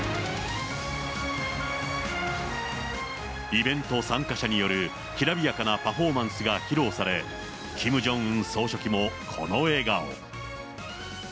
イベント参加者によるきらびやかなパフォーマンスが披露され、キム・ジョンウン総書記もこの笑顔。